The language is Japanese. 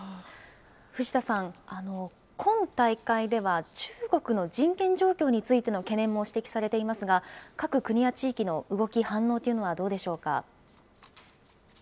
藤田さん、今大会では、中国の人権状況についての懸念も指摘されていますが、各国や地域の動き、反応というのはどうでしょうか。